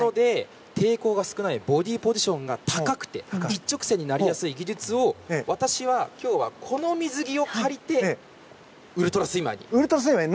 抵抗が少ないボディーポジションが高くて一直線になりやすい私は今日はこの水着を借りてウルトラスイマーに。